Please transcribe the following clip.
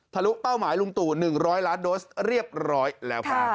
ลุเป้าหมายลุงตู่๑๐๐ล้านโดสเรียบร้อยแล้วครับ